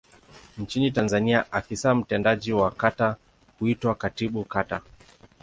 Nchini Tanzania afisa mtendaji wa kata huitwa Katibu Kata.